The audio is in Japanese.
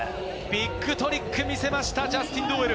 ビッグトリック見せました。